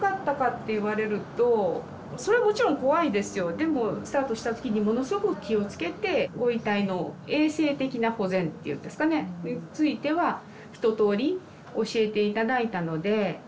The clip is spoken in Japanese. でもスタートした時にものすごく気を付けてご遺体の衛生的な保全っていうんですかねについては一とおり教えて頂いたので。